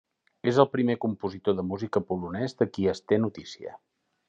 És el primer compositor de música polonès de qui es té notícia.